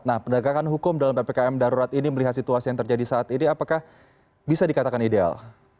nah penegakan hukum dalam ppkm darurat ini melihat situasi yang terjadi saat ini apakah bisa dikatakan ideal